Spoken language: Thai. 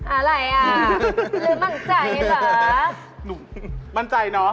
อะไรอ่ะหรือบ้างใจเหรอ